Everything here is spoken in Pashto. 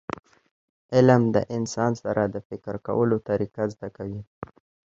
علم د انسان سره د فکر کولو طریقه زده کوي.